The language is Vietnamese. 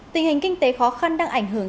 tình hình kinh tế khó khăn đang ảnh hưởng